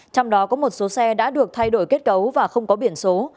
trong đó có một số xe đã được thay đổi kết cấu và không có biển số